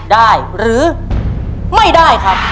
ได้หรือไม่ได้ครับ